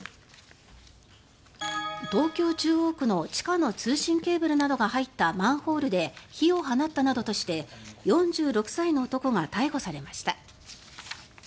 東京・中央区の地下の通信ケーブルなどが入ったマンホールで火を放ったなどとして４６歳の男が逮捕されました。